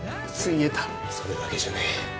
それだけじゃねえ。